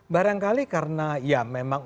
barangkali karena ya memang